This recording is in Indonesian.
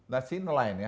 nah si nelayan ya